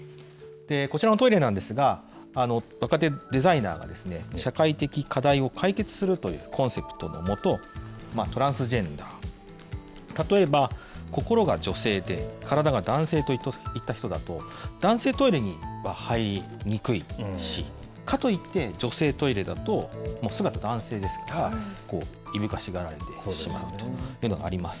こちらのトイレなんですが、若手デザイナーが社会的課題を解決するというコンセプトのもと、トランスジェンダー、例えば心が女性で体が男性といった人だと、男性トイレには入りにくいし、かといって、女性トイレだと、姿、男性ですから、いぶかしがられてしまうというのがあります。